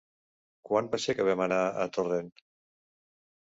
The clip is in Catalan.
Quan va ser que vam anar a Torrent?